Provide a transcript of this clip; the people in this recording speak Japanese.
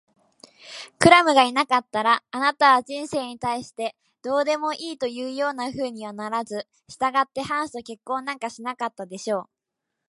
クラムがいなかったら、あなたは人生に対してどうでもいいというようなふうにはならず、したがってハンスと結婚なんかしなかったでしょう。